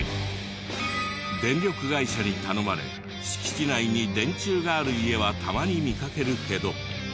電力会社に頼まれ敷地内に電柱がある家はたまに見かけるけど。